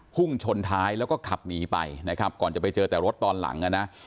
พุ่งชนท้ายแล้วก็ขับหนีไปนะครับก่อนจะไปเจอแต่รถตอนหลังอ่ะนะ